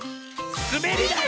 「すべりだい」！